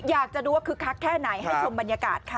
อยากจะดูว่าคึกคักแค่ไหนให้ชมบรรยากาศค่ะ